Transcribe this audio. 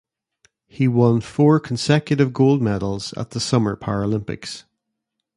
He won four consecutive gold medals at the Summer Paralympics.